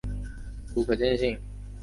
如可见性也同环境密切相关。